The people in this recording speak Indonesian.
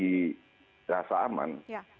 jadi rasa aman